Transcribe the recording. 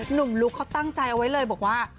หนุ่มลุกเขาตั้งใจเอาไว้เลยบอกว่า